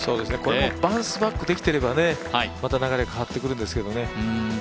これもバウンスバックできてればまた流れ変わってくるんですけどね